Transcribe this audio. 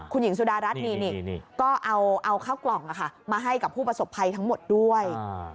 คุณหญิงสุดารัฐนี่ก็เอาข้าวกล่องมาให้กับผู้ประสบภัยทั้งหมดด้วย